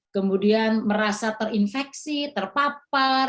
kemudian merasa terinfeksi terpapar